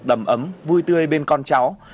đầm ấm vui tươi bên con cháu